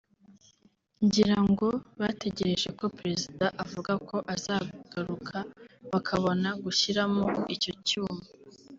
ngira ngo bategereje ko Perezida avuga ko azagaruka bakabona gushyiramo icyo cyuma